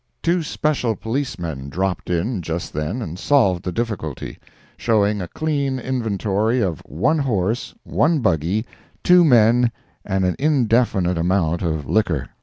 Two Special Policemen dropped in just then and solved the difficulty, showing a clean inventory of one horse, one buggy, two men and an indefinite amount of liquor.